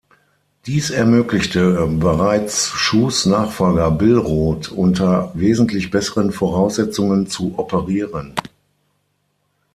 Dies ermöglichte bereits Schuhs Nachfolger Billroth unter wesentlich besseren Voraussetzungen zu operieren.